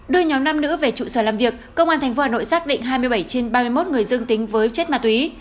đưa nhóm nam nữ về trụ sở làm việc công an tp hà nội xác định hai mươi bảy trên ba mươi một người dương tính với chất ma túy